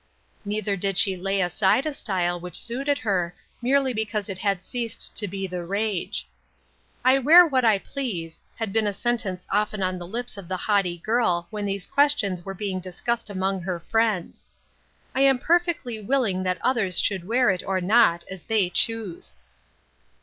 Neither did she lay aside a style which suited her merely because it had ceased to be " the rage." "I wear what I please," had been a sentence often on the lips of the haughty girl when these ques tions were being discussed among her friends. "I am perfectly willing that others should wear it or not, as they choose."